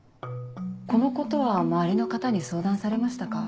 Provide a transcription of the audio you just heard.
このことは周りの方に相談されましたか？